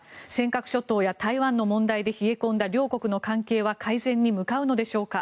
尖閣諸島や台湾の問題で冷え込んだ両国の関係は改善に向かうのでしょうか。